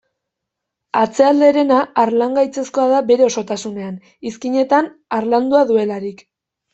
Atzealde herena harlangaitzezkoa da bere osotasunean, izkinetan harlandua duelarik.